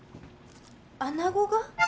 アナゴが？